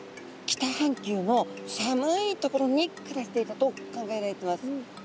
北半球の寒い所に暮らしていたと考えられてます。